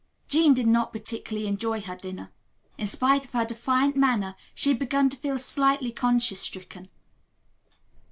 Jean did not particularly enjoy her dinner. In spite of her defiant manner she had begun to feel slightly conscience stricken.